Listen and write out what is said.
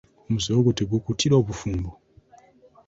Omuze ogwo tegukuttira bufumbo.